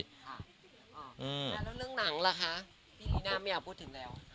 อ๋อแล้วเรื่องหนังละคะพี่รีน่าเมียพูดถึงอะไร